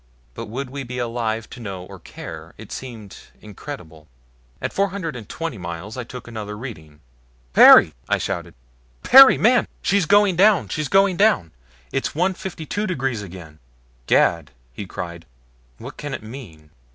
But would we be alive to know or care? It seemed incredible. At four hundred and twenty miles I took another reading. "Perry!" I shouted. "Perry, man! She's going down! She's going down! She's 152 degrees again." "Gad!" he cried. "What can it mean?